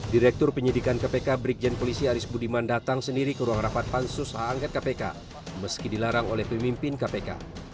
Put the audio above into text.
direktur penyidikan kpk brigjen polisi aris budiman datang sendiri ke ruang rapat pansus h angket kpk meski dilarang oleh pemimpin kpk